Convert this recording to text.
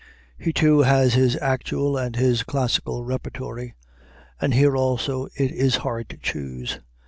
He too has his "actual" and his classical repertory, and here also it is hard to choose.